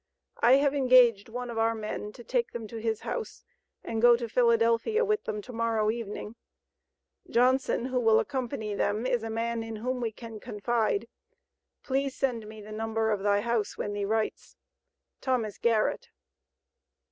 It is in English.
I have engaged one of our men to take them to his house, and go to Philadelphia with them to morrow evening. Johnson who will accompany them is a man in whom we can confide. Please send me the number of thy house when thee writes. THOMAS GARRETT.